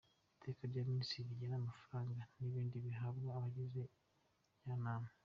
Iteka rya Minisitiri rigena amafaranga n‟ibindi bihabwa Abagize Njyanama